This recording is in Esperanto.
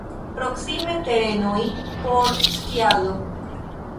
Proksime terenoj por skiado.